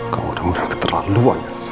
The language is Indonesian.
kamu sudah menangkut terlalu banyak say